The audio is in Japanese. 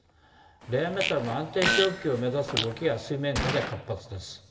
レアメタルの安定供給を目指す動きが水面下で活発です。